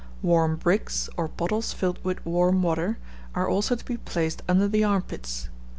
Warm bricks, or bottles filled with warm water, are also to be placed under the armpits.